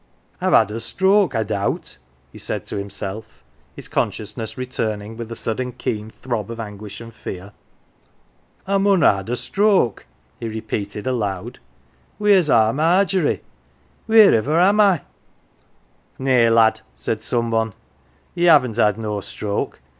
" IVe had a stroke, I doubt !" he said to himself, his consciousness returning with a sudden keen throb of anguish and fear. " I mun ha" 1 had a stroke,"" he repeated aloud. " Wheer's our Margery ? Wheeriver am I ?" 128 THE GILLY F'ERS" " Nay, lad," said some one, " ye haven't had no stroke.